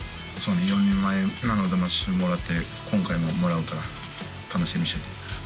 ４年前にもらって、今回ももらうから、楽しみにしてて。